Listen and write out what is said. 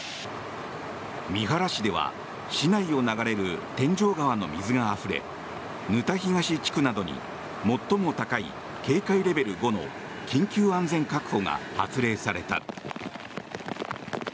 三原市では市内を流れる天井川の水があふれ沼田東地区などに最も高い警戒レベル５の緊急安全確保が発令された。